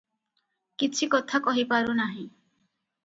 କିଛି କଥା କହିପାରୁ ନାହିଁ ।